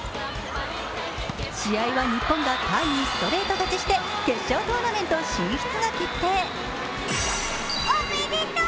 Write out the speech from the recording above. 試合は日本がタイにストレート勝ちして、決勝トーナメント進出が決定。